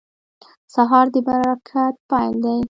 سهار د برکت پیل دی.